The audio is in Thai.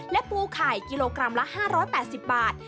และปูไข่กิโลกรัมละ๕๘๐บาท